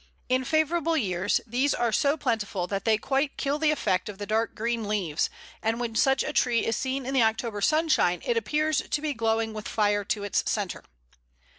In favourable years these are so plentiful that they quite kill the effect of the dark green leaves, and when such a tree is seen in the October sunshine, it appears to be glowing with fire to its centre.